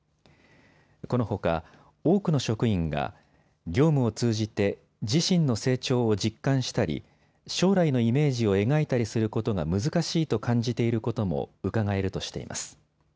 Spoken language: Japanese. このほか多くの職員が業務を通じて自身の成長を実感したり、将来のイメージを描いたりすることが難しいと感じていることもうかがえるとしています。